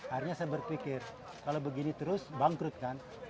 akhirnya saya berpikir kalau begini terus bangkrut kan